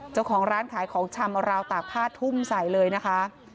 เจ้าของร้านขายของชำเอาราวตากผ้าทุ่มใส่เลยนะคะ